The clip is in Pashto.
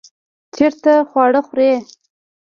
چیرته خواړه خورئ؟